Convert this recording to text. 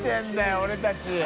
俺たち。